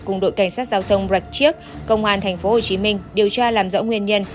cùng đội cảnh sát giao thông rạch chiếc công an tp hồ chí minh điều tra làm rõ nguyên nhân